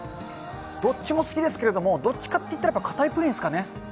どっちも好きですけれども、どっちかっていったらやっぱ固いプリンですかね。